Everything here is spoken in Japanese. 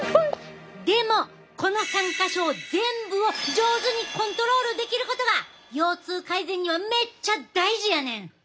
でもこの３か所全部を上手にコントロールできることが腰痛改善にはめっちゃ大事やねん！